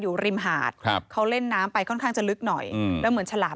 อยู่ริมหาดครับเขาเล่นน้ำไปค่อนข้างจะลึกหน่อยอืมแล้วเหมือนฉลาม